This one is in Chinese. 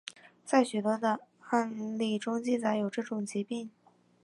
在许多的案例中记载有这种疾病。